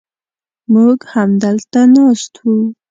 موږ همدلته ناست و.